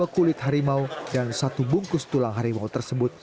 dua kulit hari mau dan satu bungkus tulang hari mau tersebut